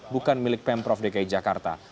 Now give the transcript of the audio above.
bukan milik pemprov dki jakarta